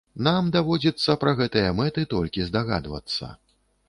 Нам даводзіцца пра гэтыя мэты толькі здагадвацца.